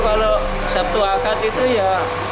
kalau sabtu akad itu ya